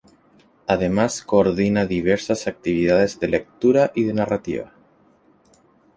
Además coordina diversas actividades de lectura y de narrativa.